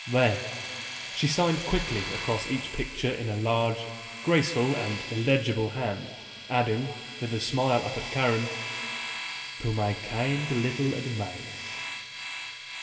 There," she signed quickly across each picture in a large, graceful and illegible hand, adding, with a smile up at Karen, "To my kind little admirers."